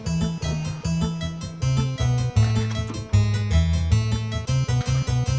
sekarang situasinya udah kayak gini